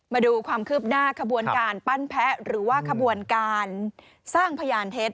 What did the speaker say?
มาดูความคืบหน้าขบวนการปั้นแพ้หรือว่าขบวนการสร้างพยานเท็จ